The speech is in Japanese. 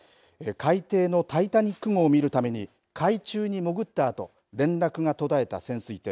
海底のタイタニック号を見るために海中に潜ったあと連絡が途絶えた潜水艇。